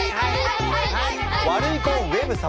ワルイコウェブ様。